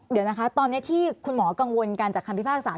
เดี๋ยวนะคะตอนนี้ที่คุณหมอกังวลกันจากคำพิพากษา